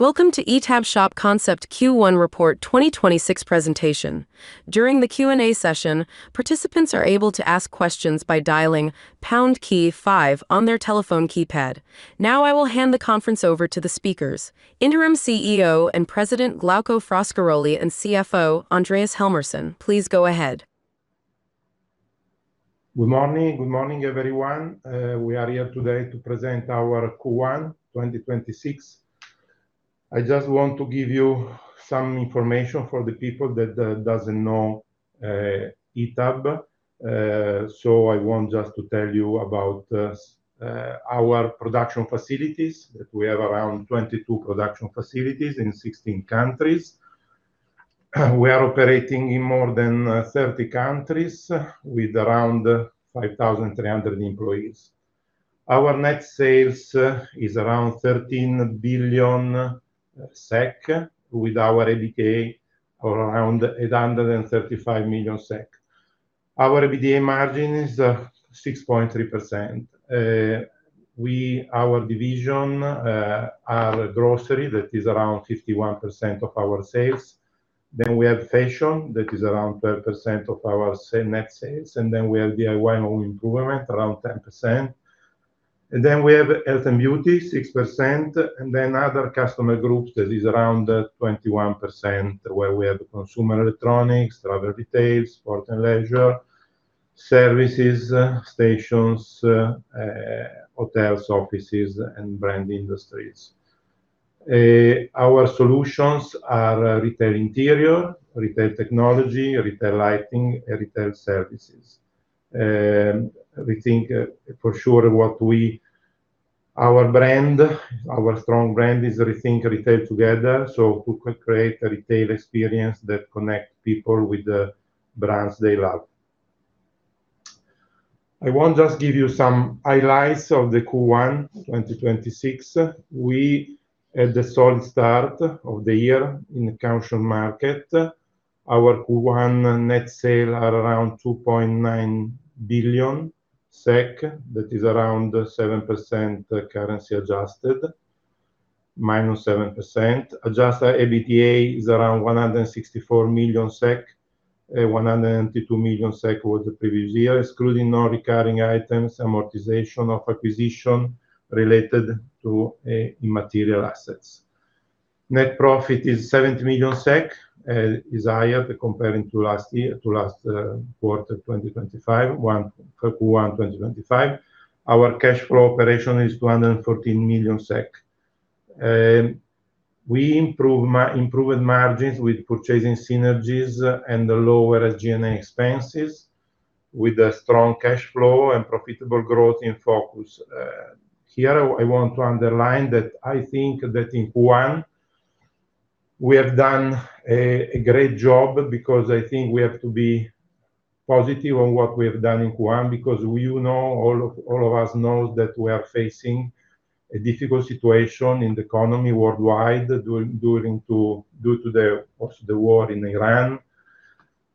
Welcome to ITAB Shop Concept Q1 Report 2026 presentation. During the Q&A session, participants are able to ask questions by dialing pound key five on their telephone keypad. Now I will hand the conference over to the speakers, Interim President & CEO, Glauco Frascaroli, and CFO, Andreas Helmersson. Please go ahead. Good morning. Good morning, everyone. We are here today to present our Q1 2026. I just want to give you some information for the people that doesn't know ITAB. I want just to tell you about our production facilities, that we have around 22 production facilities in 16 countries. We are operating in more than 30 countries with around 5,300 employees. Our net sales is around 13 billion SEK with our EBIT of around 835 million SEK. Our EBITDA margin is 6.3%. Our division are grocery, that is around 51% of our sales. We have fashion, that is around 12% of our net sales. We have DIY home improvement, around 10%. We have health and beauty, 6%. Other customer groups, that is around 21%, where we have consumer electronics, travel retails, sport and leisure, services, stations, hotels, offices, and brand industries. Our solutions are Retail Interior, Retail Technology, Retail Lighting, Retail Services. We think for sure Our brand, our strong brand is Rethink Retail Together, so we could create a retail experience that connect people with the brands they love. I want just give you some highlights of the Q1 2026. We had a solid start of the year in the caution market. Our Q1 net sale are around 2.9 billion SEK. That is around 7% currency adjusted, -7%. Adjusted EBITDA is around 164 million SEK, 192 million SEK with the previous year, excluding non-recurring items, amortization of acquisition related to immaterial assets. Net profit is 70 million SEK, is higher comparing to last year, to last quarter 2025, Q1 2025. Our cash flow operation is 214 million SEK. We improved margins with purchasing synergies and lower SG&A expenses with a strong cash flow and profitable growth in focus. Here I want to underline that I think that in Q1 we have done a great job because I think we have to be positive on what we have done in Q1 because we know, all of us know that we are facing a difficult situation in the economy worldwide due to the war in Ukraine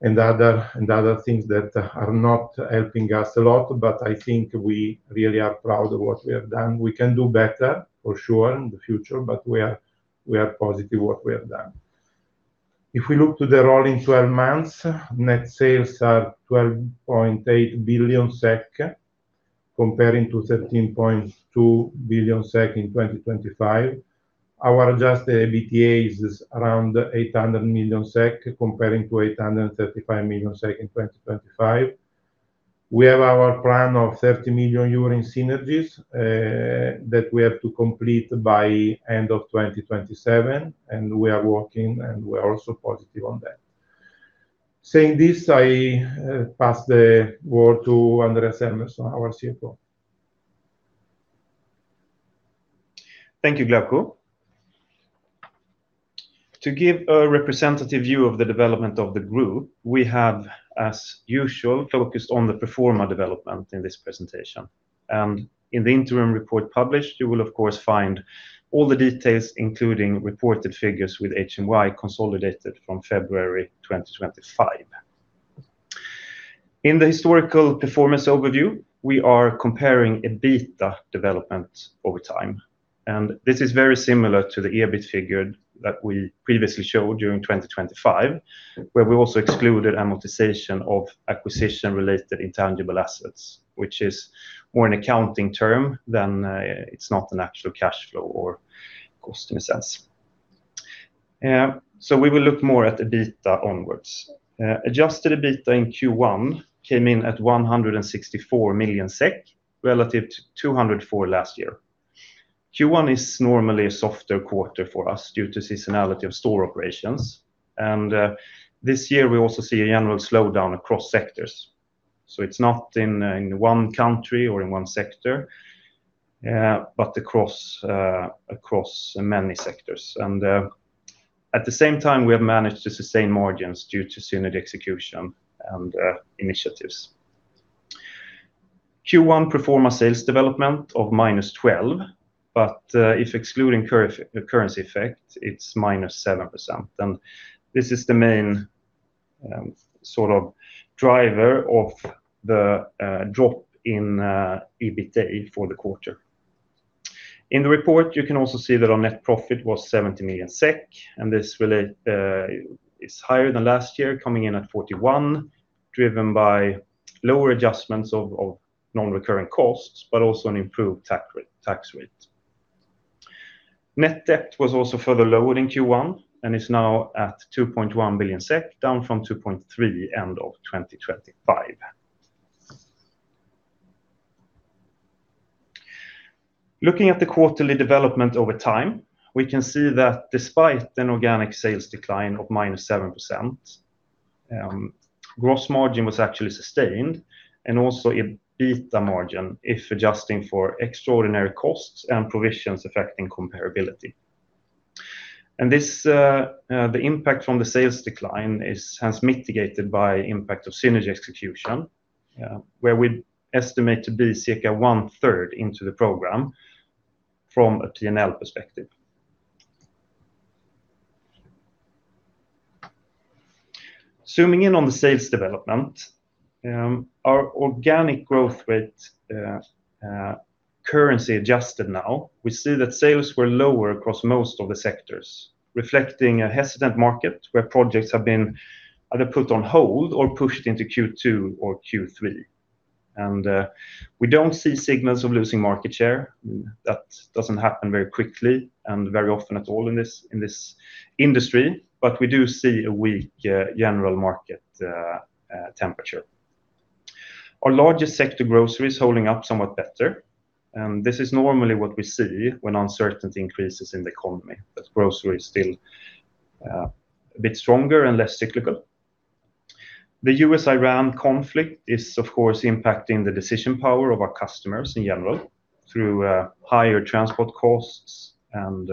and other, and other things that are not helping us a lot. I think we really are proud of what we have done. We can do better for sure in the future, but we are positive what we have done. If we look to the rolling 12 months, net sales are 12.8 billion SEK comparing to 13.2 billion SEK in 2025. Our adjusted EBITDA is around 800 million SEK comparing to 835 million SEK in 2025. We have our plan of 30 million euro in synergies that we have to complete by end of 2027, and we are working, and we are also positive on that. Saying this, I pass the floor to Andreas Helmersson, our CFO. Thank you, Glauco. To give a representative view of the development of the group, we have, as usual, focused on the pro forma development in this presentation. In the interim report published, you will of course find all the details, including reported figures with HMY consolidated from February 2025. In the historical performance overview, we are comparing EBITDA development over time, and this is very similar to the EBIT figure that we previously showed during 2025, where we also excluded amortization of acquisition related intangible assets, which is more an accounting term than it is not an actual cash flow or cost in a sense. So we will look more at EBITDA onwards. Adjusted EBITDA in Q1 came in at 164 million SEK relative to 204 million SEK last year. Q1 is normally a softer quarter for us due to seasonality of store operations, and this year we also see a general slowdown across sectors. It's not in one country or in one sector, but across many sectors. At the same time, we have managed to sustain margins due to synergy execution and initiatives. Q1 pro forma sales development of -12%, but if excluding currency effect, it's -7%. This is the main sort of driver of the drop in EBITA for the quarter. In the report, you can also see that our net profit was 70 million SEK, and this relate is higher than last year, coming in at 41 million, driven by lower adjustments of non-recurring costs, but also an improved tax rate. Net debt was also further lowered in Q1 and is now at 2.1 billion SEK, down from 2.3 billion end of 2025. Looking at the quarterly development over time, we can see that despite an organic sales decline of -7%, gross margin was actually sustained and also EBITDA margin if adjusting for extraordinary costs and provisions affecting comparability. This, the impact from the sales decline is hence mitigated by impact of synergy execution, where we estimate to be circa one-third into the program from a P&L perspective. Zooming in on the sales development, our organic growth rate, currency adjusted now, we see that sales were lower across most of the sectors, reflecting a hesitant market where projects have been either put on hold or pushed into Q2 or Q3. We don't see signals of losing market share. That doesn't happen very quickly and very often at all in this, in this industry, but we do see a weak, general market, temperature. Our largest sector, grocery, is holding up somewhat better. This is normally what we see when uncertainty increases in the economy, that grocery is still a bit stronger and less cyclical. The US-Iran conflict is, of course, impacting the decision power of our customers in general through higher transport costs and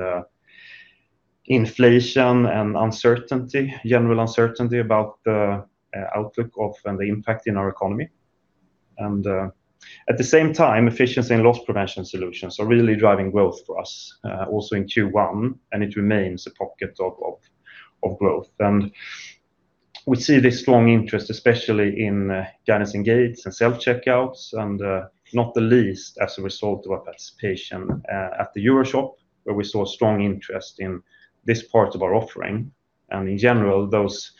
inflation and uncertainty, general uncertainty about the outlook of and the impact in our economy. At the same time, efficiency and loss prevention solutions are really driving growth for us, also in Q1, and it remains a pocket of growth. We see this strong interest, especially in gates and self-checkouts and not the least as a result of our participation at the EuroShop, where we saw strong interest in this part of our offering. In general, those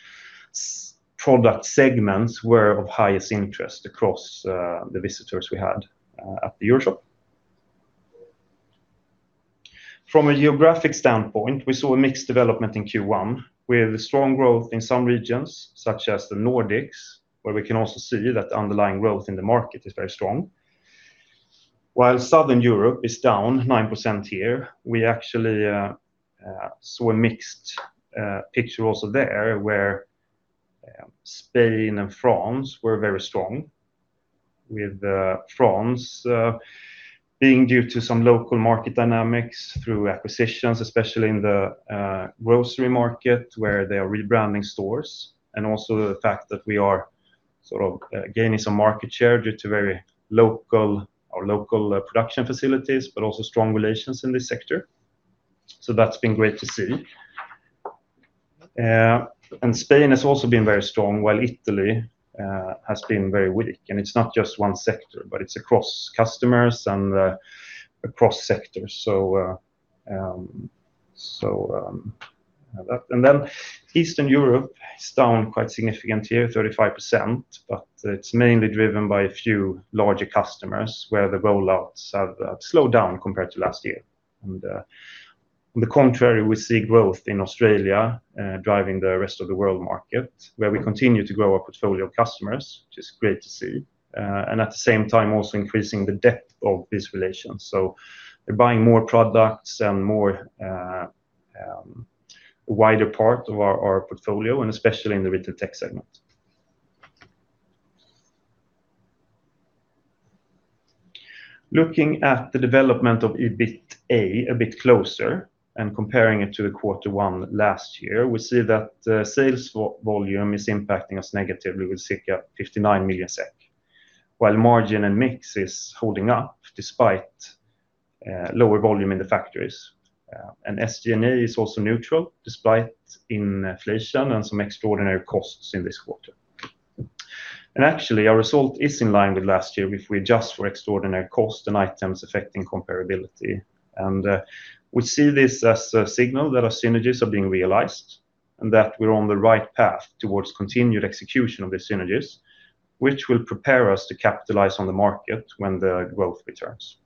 product segments were of highest interest across the visitors we had at the EuroShop. From a geographic standpoint, we saw a mixed development in Q1 with strong growth in some regions, such as the Nordics, where we can also see that underlying growth in the market is very strong. While Southern Europe is down 9% here, we actually saw a mixed picture also there where Spain and France were very strong, with France being due to some local market dynamics through acquisitions, especially in the grocery market where they are rebranding stores, and also the fact that we are sort of gaining some market share due to very local or local production facilities, but also strong relations in this sector. That's been great to see. Spain has also been very strong, while Italy has been very weak. It's not just one sector, but it's across customers and across sectors. Eastern Europe is down quite significantly here, 35%, but it's mainly driven by a few larger customers where the rollouts have slowed down compared to last year. On the contrary, we see growth in Australia, driving the rest of the world market, where we continue to grow our portfolio of customers, which is great to see, and at the same time also increasing the depth of these relations. They're buying more products and more wider part of our portfolio, and especially in the Retail Tech segment. Looking at the development of EBITA a bit closer and comparing it to the quarter one last year, we see that sales volume is impacting us negatively with circa 59 million SEK, while margin and mix is holding up despite lower volume in the factories. SG&A is also neutral despite inflation and some extraordinary costs in this quarter. Actually, our result is in line with last year if we adjust for extraordinary costs and items affecting comparability. We see this as a signal that our synergies are being realized and that we're on the right path towards continued execution of the synergies, which will prepare us to capitalize on the market when the growth returns.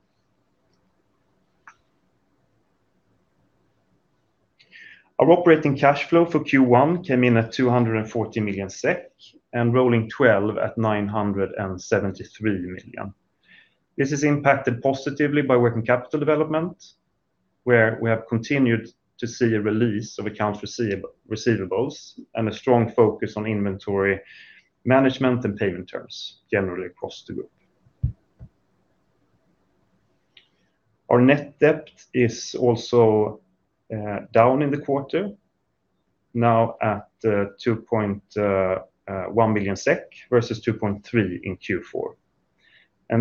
Our operating cash flow for Q1 came in at 240 million SEK and rolling twelve at 973 million. This is impacted positively by working capital development, where we have continued to see a release of accounts receivables and a strong focus on inventory management and payment terms generally across the group. Our net debt is also down in the quarter, now at 2.1 million SEK versus 2.3 million in Q4.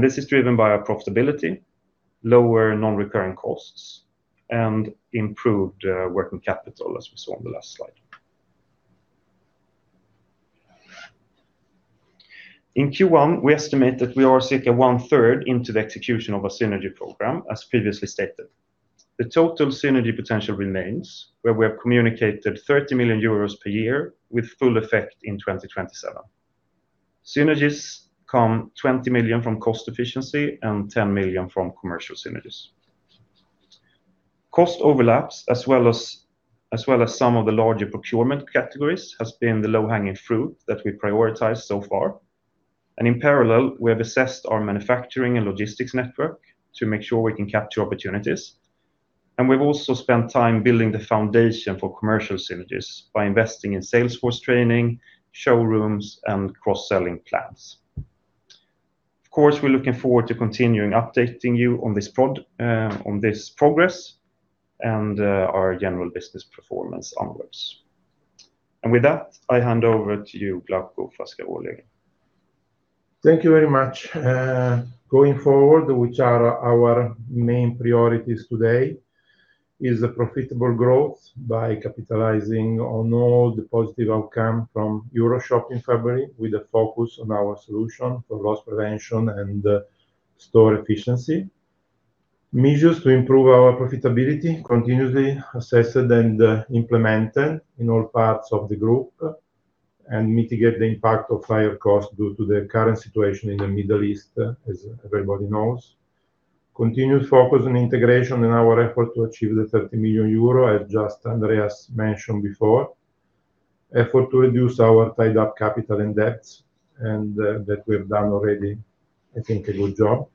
This is driven by our profitabilityLower non-recurring costs and improved working capital as we saw on the last slide. In Q1, we estimate that we are circa one-third into the execution of our synergy program, as previously stated. The total synergy potential remains where we have communicated 30 million euros per year with full effect in 2027. Synergies come 20 million from cost efficiency and 10 million from commercial synergies. Cost overlaps as well as some of the larger procurement categories has been the low-hanging fruit that we prioritize so far. In parallel, we have assessed our manufacturing and logistics network to make sure we can capture opportunities. We've also spent time building the foundation for commercial synergies by investing in sales force training, showrooms, and cross-selling plans. Of course, we're looking forward to continuing updating you on this progress and our general business performance onwards. With that, I hand over to you, Glauco Frascaroli. Thank you very much. Going forward, which are our main priorities today is the profitable growth by capitalizing on all the positive outcome from EuroShop in February with a focus on our solution for loss prevention and store efficiency. Measures to improve our profitability continuously assessed and implemented in all parts of the group and mitigate the impact of higher costs due to the current situation in the Middle East, as everybody knows. Continued focus on integration in our effort to achieve the 30 million euro as just Andreas mentioned before. Effort to reduce our tied-up capital and debts and that we have done already, I think, a good job.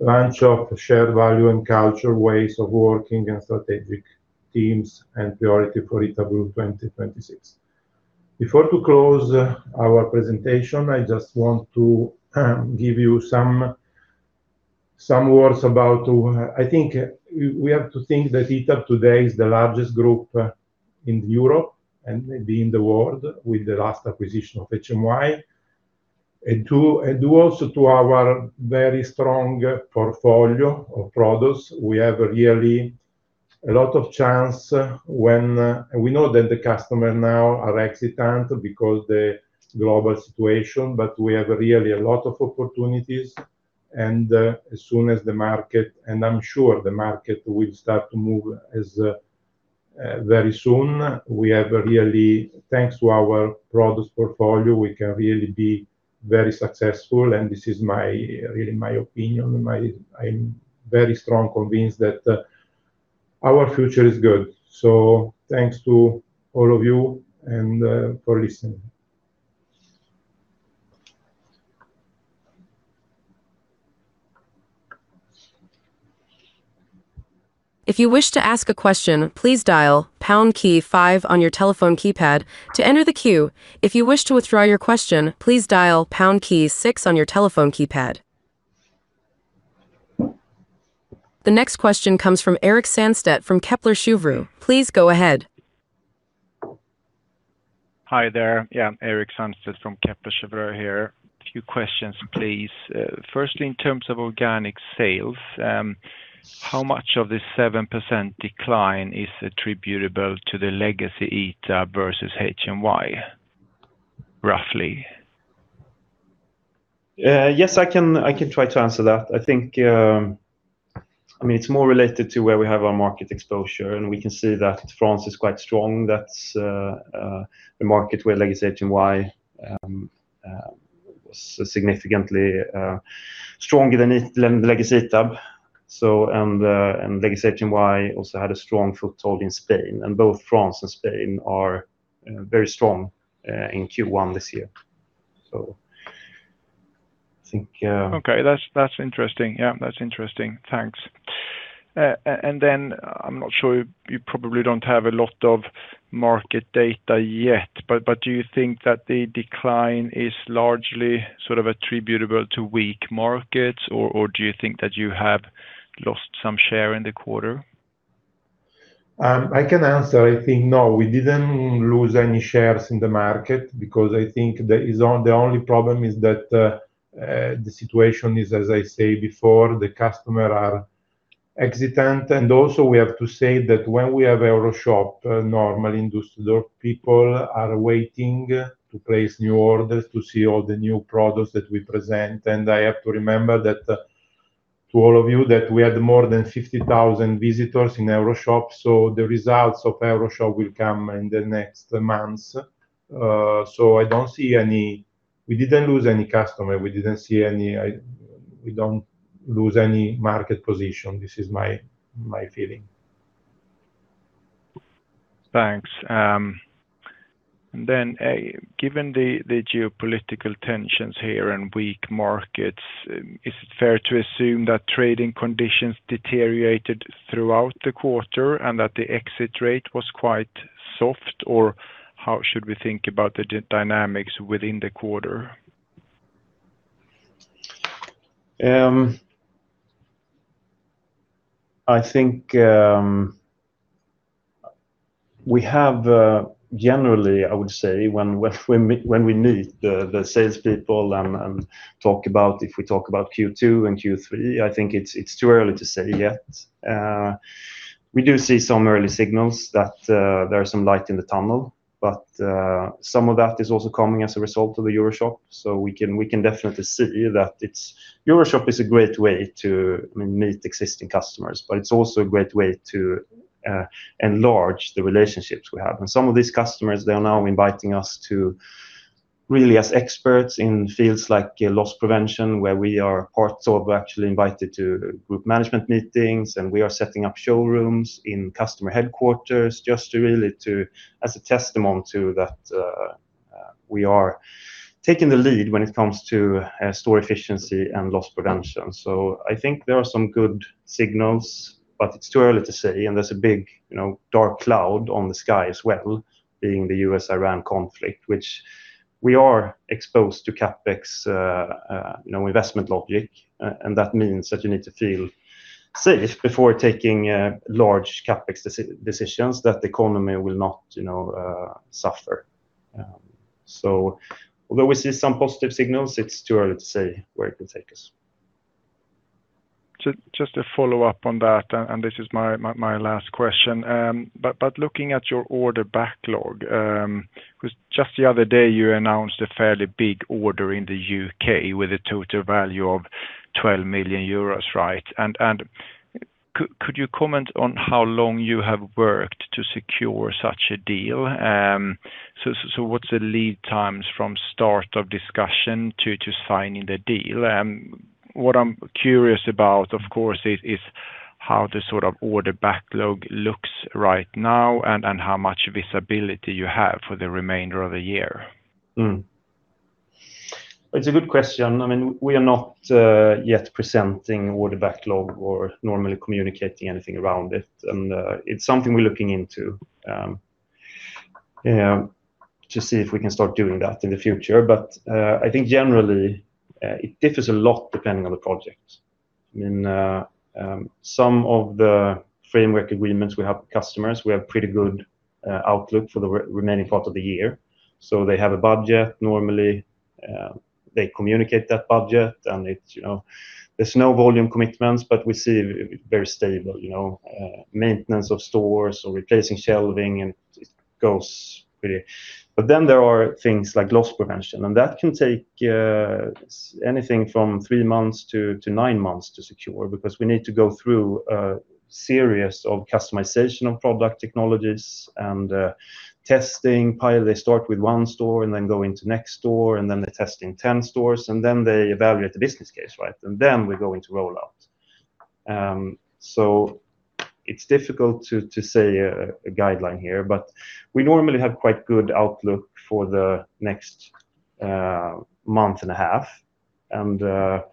Launch of shared value and culture, ways of working and strategic teams and priority for ITAB Group 2026. Before to close our presentation, I just want to give you some words about to. I think we have to think that ITAB today is the largest group in Europe and maybe in the world with the last acquisition of HMY. Due also to our very strong portfolio of products, we have really a lot of chance. We know that the customer now are hesitant because the global situation, we have really a lot of opportunities as soon as the market, I'm sure the market will start to move very soon. We have really, thanks to our product portfolio, we can really be very successful and this is really my opinion. I'm very strong convinced that our future is good. Thanks to all of you for listening. If you wish to ask a question please dial pound key five on your telephone keypad to enter the queue. If you wish to withdraw your question please dial pound key six on your telephone keypad. The next question comes from Erik Sandstedt from Kepler Cheuvreux. Please go ahead. Hi there. Yeah, Erik Sandstedt from Kepler Cheuvreux here. A few questions, please. Firstly, in terms of organic sales, how much of this 7% decline is attributable to the legacy ITAB versus HMY, roughly? Yes, I can try to answer that. I think, I mean, it's more related to where we have our market exposure. We can see that France is quite strong. That's the market where legacy HMY was significantly stronger than the legacy ITAB. Legacy HMY also had a strong foothold in Spain. Both France and Spain are very strong in Q1 this year. I think. Okay. That's interesting. Yeah, that's interesting. Thanks. Then I'm not sure, you probably don't have a lot of market data yet, but do you think that the decline is largely sort of attributable to weak markets, or do you think that you have lost some share in the quarter? I can answer. I think no, we didn't lose any shares in the market because I think the only problem is that the situation is, as I say before, the customer are hesitant. Also we have to say that when we have EuroShop, normally industry people are waiting to place new orders to see all the new products that we present. I have to remember that, to all of you, that we had more than 50,000 visitors in EuroShop. The results of EuroShop will come in the next months. I don't see any. We didn't lose any customer. We didn't see any. We don't lose any market position. This is my feeling. Thanks. Given the geopolitical tensions here and weak markets, is it fair to assume that trading conditions deteriorated throughout the quarter and that the exit rate was quite soft? How should we think about the dynamics within the quarter? I think we have, generally, I would say when we meet the sales people and talk about, if we talk about Q2 and Q3, I think it's too early to say yet. We do see some early signals that there are some light in the tunnel. Some of that is also coming as a result of the EuroShop. We can definitely see that EuroShop is a great way to meet existing customers, but it's also a great way to enlarge the relationships we have. Some of these customers, they are now inviting us to really as experts in fields like loss prevention, we're actually invited to group management meetings and we are setting up showrooms in customer headquarters just to really to, as a testimony to that, we are taking the lead when it comes to store efficiency and loss prevention. I think there are some good signals, but it's too early to say, and there's a big, you know, dark cloud on the sky as well, being the U.S.-Iran conflict, which we are exposed to CapEx, you know, investment logic. That means that you need to feel safe before taking large CapEx decisions that the economy will not, you know, suffer. Although we see some positive signals, it's too early to say where it will take us. Just to follow up on that. This is my last question. Looking at your order backlog, because just the other day you announced a fairly big order in the U.K. with a total value of 12 million euros, right? Could you comment on how long you have worked to secure such a deal? What's the lead times from start of discussion to signing the deal? What I'm curious about, of course, is how the sort of order backlog looks right now and how much visibility you have for the remainder of the year. It's a good question. I mean, we are not yet presenting order backlog or normally communicating anything around it. It's something we're looking into, yeah, to see if we can start doing that in the future. I think generally, it differs a lot depending on the project. I mean, some of the framework agreements we have with customers, we have pretty good outlook for the remaining part of the year. They have a budget normally, they communicate that budget and it, you know, there's no volume commitments, but we see very stable, you know, maintenance of stores or replacing shelving. There are things like loss prevention and that can take anything from three months to nine months to secure because we need to go through a series of customization of product technologies and testing. Pilot. They start with 1 store and then go into next store, and then they are testing 10 stores, and then they evaluate the business case, right. We go into rollout. So it is difficult to say a guideline here, but we normally have quite good outlook for the next month and a half and a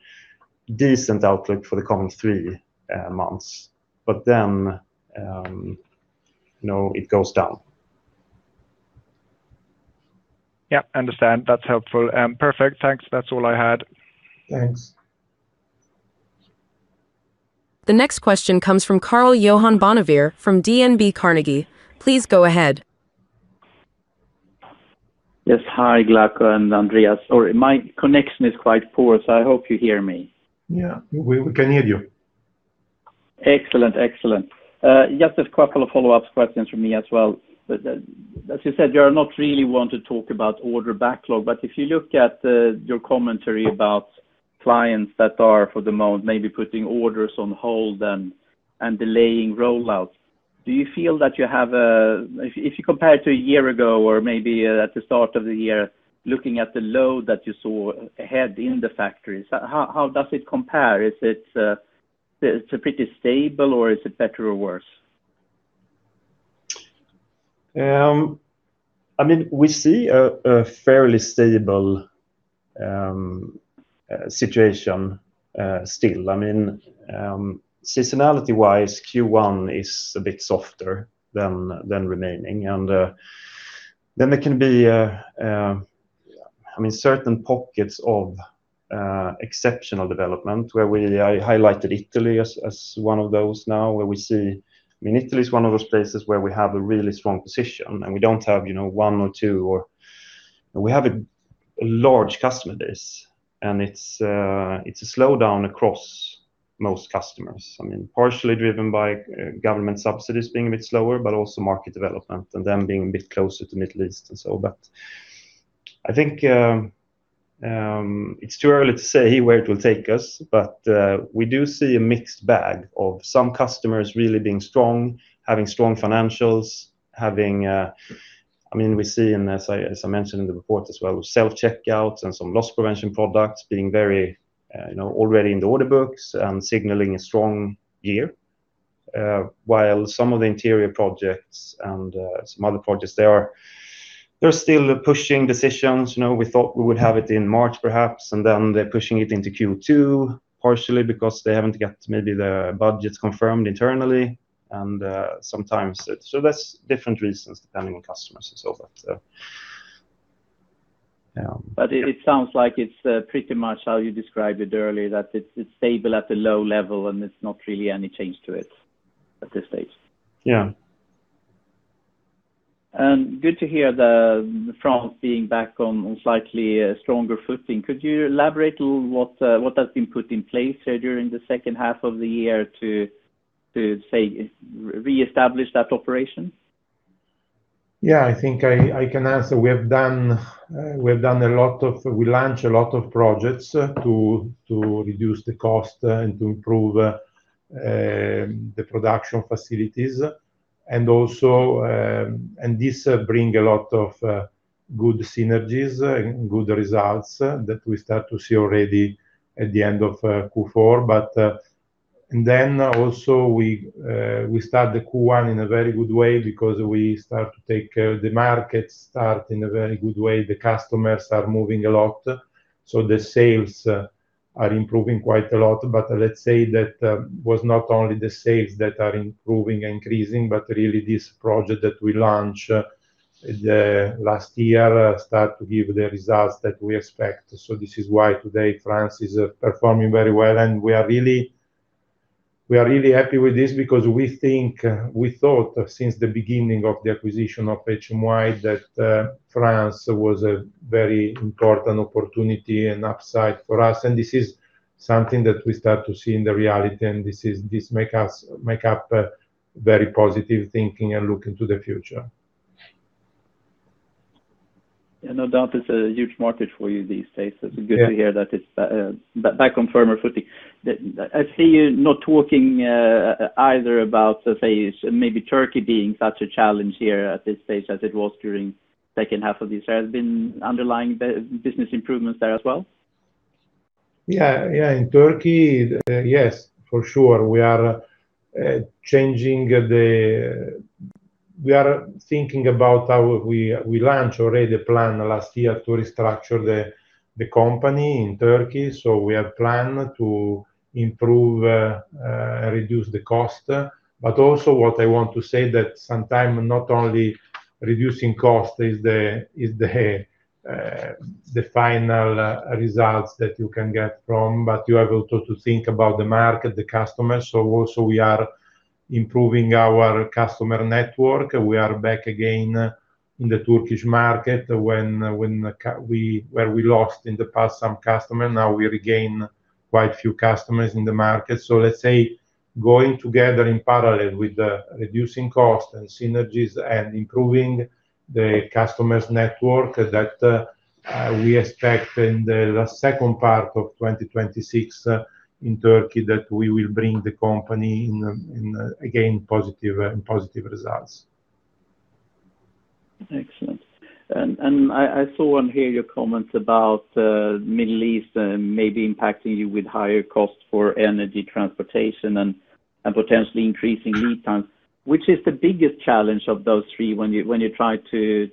decent outlook for the coming three months. You know, it goes down. Yeah, understand. That's helpful. Perfect. Thanks. That's all I had. Thanks. The next question comes from Karl-Johan Bonnevier from DNB Carnegie. Please go ahead. Yes. Hi, Glauco Frascaroli and Andreas. Sorry, my connection is quite poor. I hope you hear me. Yeah, we can hear you. Excellent. Excellent. There's a couple of follow-up questions from me as well. As you said, you're not really want to talk about order backlog, but if you look at your commentary about clients that are for the moment maybe putting orders on hold and delaying rollouts. If you compare it to a year ago or maybe at the start of the year, looking at the load that you saw ahead in the factories, how does it compare? Is it pretty stable or is it better or worse? I mean, we see a fairly stable situation still. I mean, seasonality-wise, Q1 is a bit softer than remaining. Then there can be, I mean, certain pockets of exceptional development where I highlighted Italy as one of those now where we see. I mean, Italy is one of those places where we have a really strong position and we don't have, you know, one or two. We have a large customer base and it's a slowdown across most customers. I mean, partially driven by government subsidies being a bit slower, also market development and them being a bit closer to Middle East. I think it's too early to say where it will take us. We do see a mixed bag of some customers really being strong, having strong financials, having, I mean, we see in, as I, as I mentioned in the report as well, self-checkouts and some loss prevention products being very, you know, already in the order books and signaling a strong year. While some of the interior projects and some other projects, they are, they're still pushing decisions. You know, we thought we would have it in March perhaps, and then they're pushing it into Q2 partially because they haven't got maybe the budgets confirmed internally. There's different reasons depending on customers and so. It sounds like it's pretty much how you described it earlier, that it's stable at a low level, and there's not really any change to it at this stage. Yeah. good to hear the, France being back on slightly a stronger footing. Could you elaborate on what has been put in place, during the second half of the year to say, re-establish that operation? Yeah, I think I can answer. We have done a lot of. We launch a lot of projects to reduce the cost and to improve the production facilities, and also, and this bring a lot of good synergies and good results that we start to see already at the end of Q4. Then also we start the Q1 in a very good way because we start to take the market start in a very good way. The customers are moving a lot, so the sales are improving quite a lot. Let's say that was not only the sales that are improving and increasing, but really this project that we launch last year start to give the results that we expect. This is why today France is performing very well. We are really happy with this because we thought since the beginning of the acquisition of HMY that France was a very important opportunity and upside for us, and this is something that we start to see in the reality, and this is, this make us, make up very positive thinking and look into the future. Yeah, no doubt it's a huge market for you these days. It's good to hear. Yeah that it's back on firmer footing. I see you not talking either about say, maybe Turkey being such a challenge here at this stage as it was during second half of this year. Has been underlying business improvements there as well? Yeah, yeah. In Turkey, yes, for sure. We are thinking about how we launch already a plan last year to restructure the company in Turkey, so we have plan to improve, reduce the cost. Also what I want to say that sometime not only reducing cost is the final results that you can get from, but you have also to think about the market, the customers. Also we are improving our customer network. We are back again in the Turkish market when we lost in the past some customer, now we regain quite few customers in the market. Let's say going together in parallel with the reducing cost and synergies and improving the customers network that we expect in the second part of 2026 in Turkey that we will bring the company in a, again, positive results. Excellent. I saw and hear your comments about Middle East maybe impacting you with higher costs for energy, transportation and potentially increasing lead times. Which is the biggest challenge of those three when you try to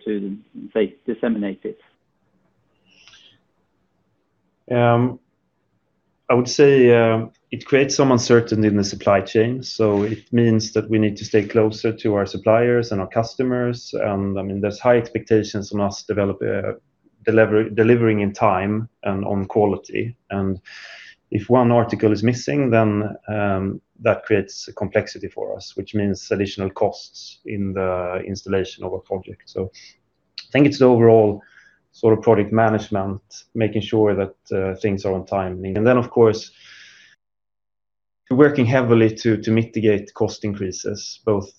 say, disseminate it? I would say, it creates some uncertainty in the supply chain, so it means that we need to stay closer to our suppliers and our customers. I mean, there's high expectations on us delivering in time and on quality. If one article is missing, then, that creates a complexity for us, which means additional costs in the installation of a project. I think it's the overall sort of project management, making sure that, things are on timing. Then, of course, working heavily to mitigate cost increases, both,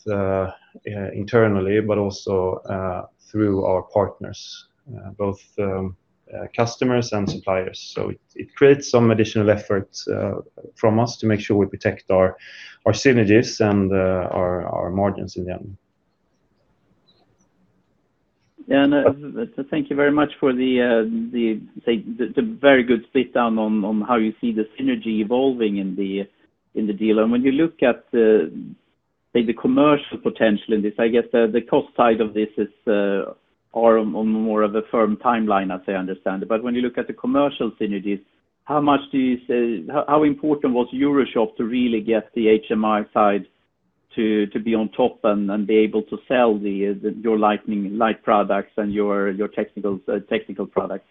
internally, but also, through our partners, both, customers and suppliers. It, it creates some additional efforts, from us to make sure we protect our synergies and, our margins in the end. Yeah. Thank you very much for the very good split down on how you see the synergy evolving in the deal. When you look at the commercial potential in this, I guess, the cost side of this is on more of a firm timeline, as I understand it. When you look at the commercial synergies, how important was EuroShop to really get the HMY side to be on top and be able to sell your Retail Lighting products and your Retail Technology products?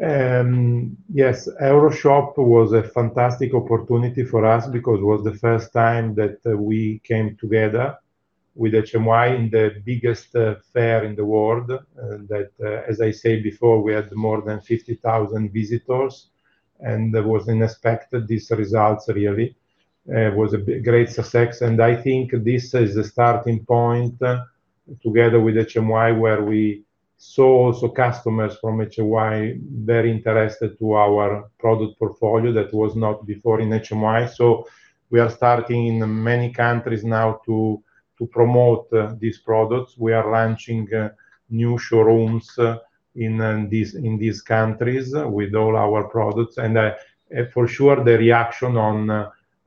Yes. EuroShop was a fantastic opportunity for us because it was the first time that we came together with HMY in the biggest fair in the world, that as I said before, we had more than 50,000 visitors, and that was unexpected, these results really. It was a great success, and I think this is the starting point together with HMY, where we saw also customers from HMY very interested to our product portfolio that was not before in HMY. So we are starting in many countries now to promote these products. We are launching new showrooms in these countries with all our products. For sure, the reaction on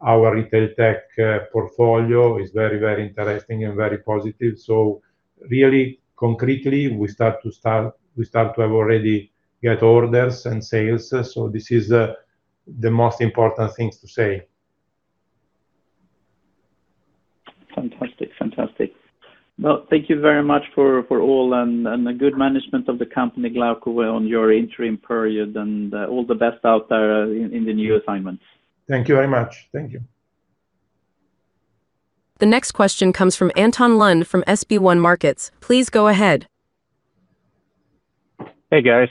our Retail Tech portfolio is very, very interesting and very positive. Really concretely, we start to have already get orders and sales. This is, the most important things to say. Fantastic. Well, thank you very much for all and the good management of the company, Glauco, on your interim period, and all the best out there in the new assignment. Thank you very much. Thank you. The next question comes from Anton Lund from SB1 Markets. Please go ahead. Hey, guys.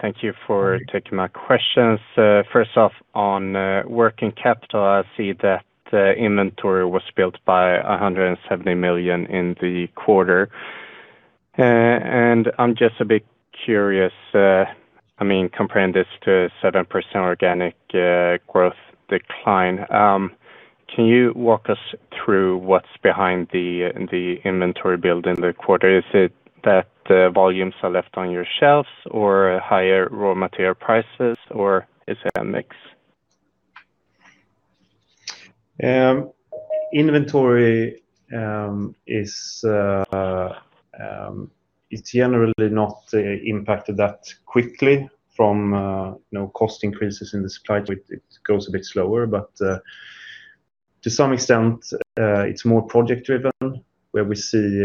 Thank you for taking my questions. First off, on working capital, I see that inventory was built by 170 million in the quarter. I'm just a bit curious, I mean, comparing this to 7% organic growth decline, can you walk us through what's behind the inventory build in the quarter? Is it that volumes are left on your shelves or higher raw material prices or is it a mix? Inventory is, it's generally not impacted that quickly from, you know, cost increases in the supply. It goes a bit slower. To some extent, it's more project driven, where we see,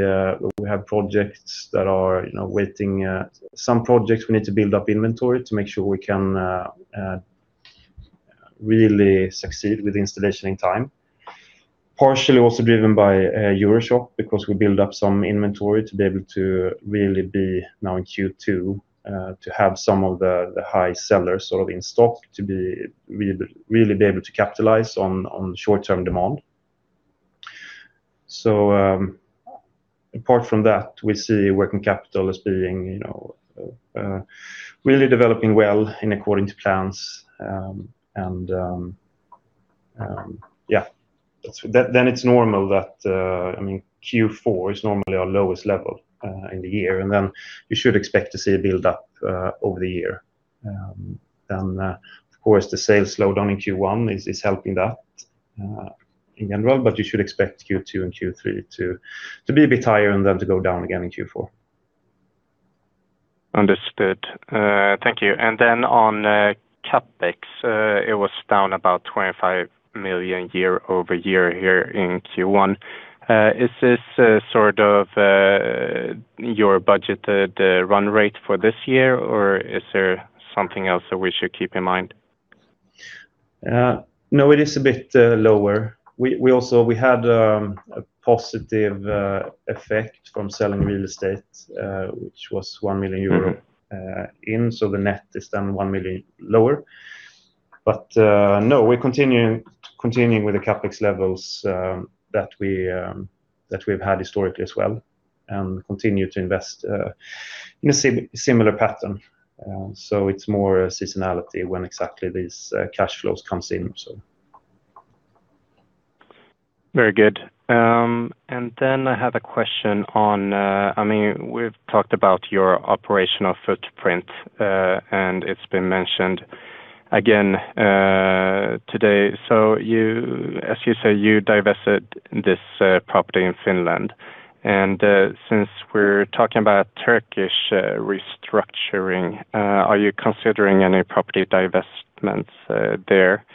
we have projects that are, you know, waiting. Some projects we need to build up inventory to make sure we can really succeed with installation in time. Partially also driven by EuroShop because we build up some inventory to be able to really be now in Q2, to have some of the high sellers sort of in stock to be really be able to capitalize on short-term demand. Apart from that, we see working capital as being, you know, really developing well in according to plans. It's normal that, I mean, Q4 is normally our lowest level in the year, and then you should expect to see a build up over the year. Of course, the sales slowdown in Q1 is helping that in general, but you should expect Q2 and Q3 to be a bit higher and then to go down again in Q4. Understood. Thank you. Then on CapEx, it was down about 25 million year-over-year here in Q1. Is this sort of your budgeted run rate for this year, or is there something else that we should keep in mind? It is a bit lower. We also had a positive effect from selling real estate, which was 1 million euro. The net is then 1 million lower. We're continuing with the CapEx levels that we've had historically as well, and continue to invest in a similar pattern. It's more a seasonality when exactly these cash flows comes in. Very good. Then I have a question on. I mean, we've talked about your operational footprint, and it's been mentioned again today. You, as you say, you divested this property in Finland. Since we're talking about Turkish restructuring, are you considering any property divestments there?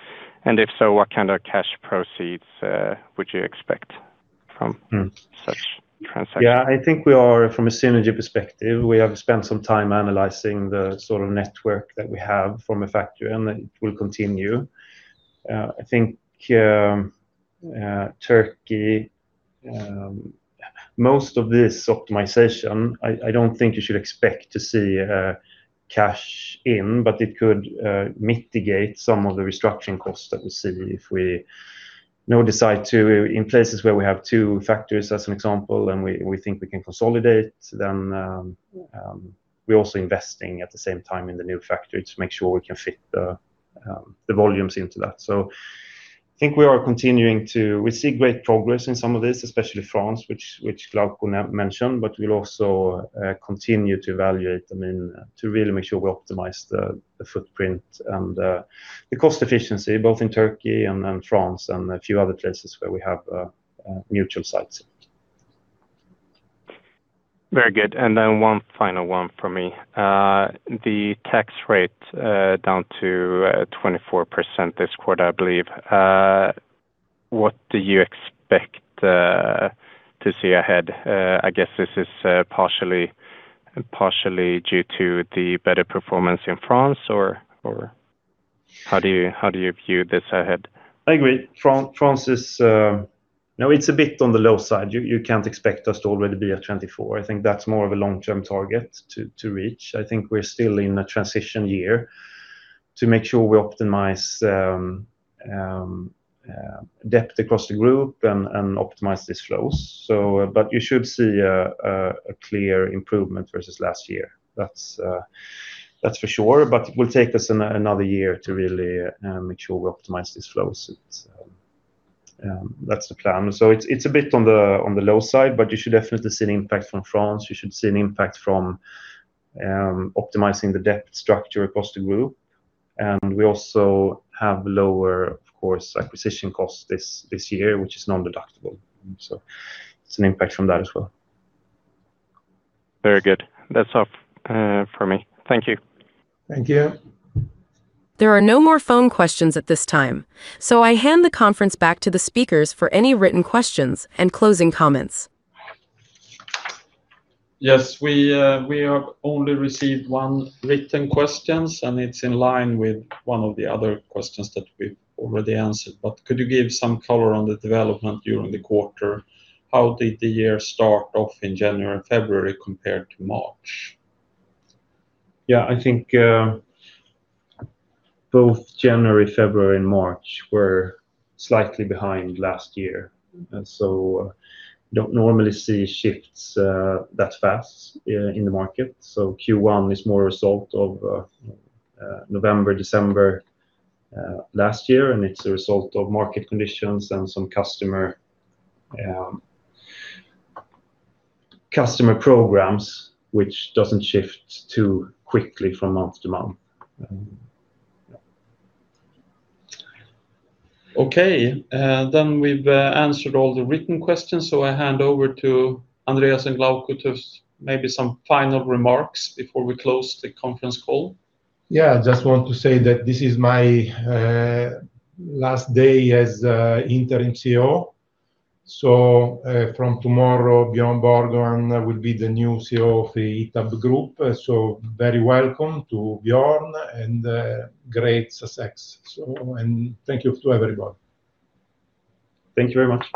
If so, what kind of cash proceeds would you expect from. Hmm... such transactions? Yeah. I think we are from a synergy perspective, we have spent some time analyzing the sort of network that we have from a factory, and that will continue. I think Ukraine, most of this optimization, I don't think you should expect to see cash in, but it could mitigate some of the restructuring costs that we see if we now decide to, in places where we have two factories, as an example, and we think we can consolidate, then, we're also investing at the same time in the new factory to make sure we can fit the volumes into that. I think we are continuing to. We see great progress in some of this, especially France, which Glauco mentioned, but we'll also continue to evaluate, I mean, to really make sure we optimize the footprint and the cost efficiency, both in Turkey and France and a few other places where we have mutual sites. Very good. One final one from me. The tax rate down to 24% this quarter, I believe. What do you expect to see ahead? I guess this is partially due to the better performance in France or how do you view this ahead? I agree. France is. No, it's a bit on the low side. You can't expect us to already be at 24. I think that's more of a long-term target to reach. I think we're still in a transition year to make sure we optimize depth across the group and optimize these flows. But you should see a clear improvement versus last year. That's for sure. But it will take us another year to really make sure we optimize these flows. That's the plan. It's a bit on the low side, but you should definitely see an impact from France. You should see an impact from optimizing the debt structure across the group. We also have lower, of course, acquisition costs this year, which is non-deductible. It's an impact from that as well. Very good. That's all from me. Thank you. Thank you. There are no more phone questions at this time, so I hand the conference back to the speakers for any written questions and closing comments. Yes. We have only received one written question. It's in line with one of the other questions that we've already answered. Could you give some color on the development during the quarter? How did the year start off in January and February compared to March? Yeah. I think, both January, February, and March were slightly behind last year. You don't normally see shifts that fast in the market. Q1 is more a result of November, December last year, and it's a result of market conditions and some customer customer programs, which doesn't shift too quickly from month to month. Yeah. Okay. We've answered all the written questions, so I hand over to Andreas and Glauco to maybe some final remarks before we close the conference call. I just want to say that this is my last day as interim CEO. From tomorrow, Björn Borgman will be the new CEO of the ITAB Group. Very welcome to Björn and great success. Thank you to everybody. Thank you very much.